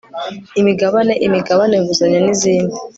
imigabane imigabane nguzanyo n izindi